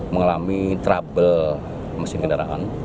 mengalami trouble mesin kendaraan